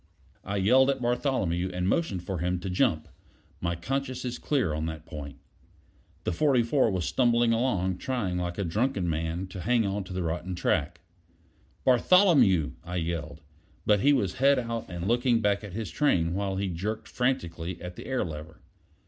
I yelled at Bartholomew, and motioned for him to jump; my conscience is clear on that point. The 44 was stumbling along, trying like a drunken man to hang to the rotten track. "Bartholomew!" I yelled; but he was head out and looking back at his train while he jerked frantically at the air lever.